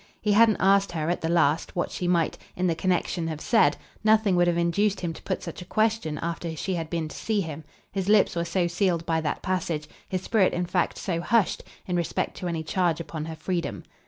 He hadn't asked her, at the last, what she might, in the connexion, have said; nothing would have induced him to put such a question after she had been to see him: his lips were so sealed by that passage, his spirit in fact so hushed, in respect to any charge upon her freedom.